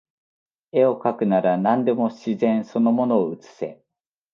画をかくなら何でも自然その物を写せ